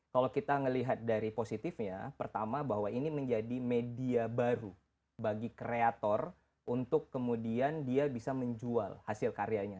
kalau kita melihat dari positifnya pertama bahwa ini menjadi media baru bagi kreator untuk kemudian dia bisa menjual hasil karyanya